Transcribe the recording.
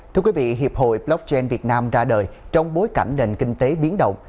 thưa quý vị hiệp hội blockchain việt nam ra đời trong bối cảnh nền kinh tế biến động